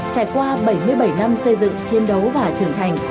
trải qua bảy mươi bảy năm xây dựng chiến đấu và trưởng thành